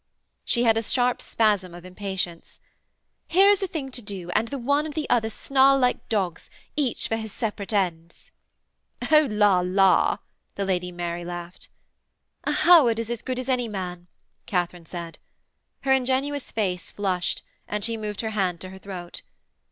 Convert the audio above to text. She had a sharp spasm of impatience. 'Here is a thing to do, and the one and the other snarl like dogs, each for his separate ends.' 'Oh, la, la,' the Lady Mary laughed. 'A Howard is as good as any man,' Katharine said. Her ingenuous face flushed, and she moved her hand to her throat.